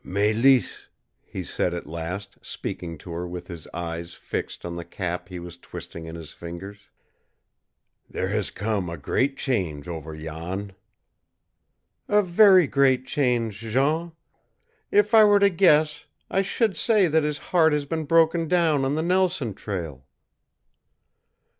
"Mélisse," he said at last, speaking to her with his eyes fixed on the cap he was twisting in his fingers, "there has come a great change over Jan." "A very great change, Jean. If I were to guess, I should say that his heart has been broken down on the Nelson trail."